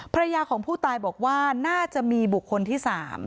ภรรยาของผู้ตายบอกว่าน่าจะมีบุคคลที่๓